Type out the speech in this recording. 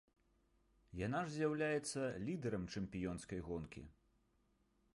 Яна ж з'яўляецца лідэрам чэмпіёнскай гонкі.